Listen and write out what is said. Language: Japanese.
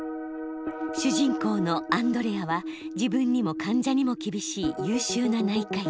主人公のアンドレアは自分にも患者にも厳しい優秀な内科医。